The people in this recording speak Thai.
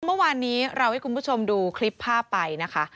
เมื่อวานนี้เราให้คุณผู้ชมดูคลิปภาพไปนะคะ